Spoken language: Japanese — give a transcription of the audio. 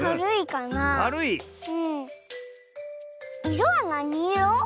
いろはなにいろ？